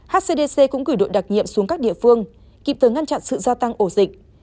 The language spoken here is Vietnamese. hcdc cũng gửi đội đặc nhiệm xuống các địa phương kịp thời ngăn chặn sự gia tăng ổ dịch